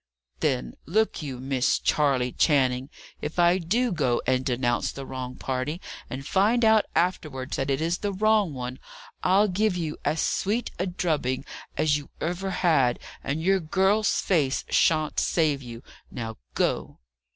"Then, look you, Miss Charley Channing. If I do go and denounce the wrong party, and find out afterwards that it is the wrong one, I'll give you as sweet a drubbing as you ever had, and your girl's face shan't save you. Now go."